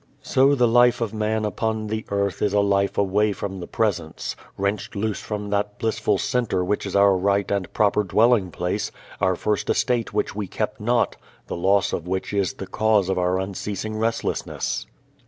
So the life of man upon the earth is a life away from the Presence, wrenched loose from that "blissful center" which is our right and proper dwelling place, our first estate which we kept not, the loss of which is the cause of our unceasing restlessness.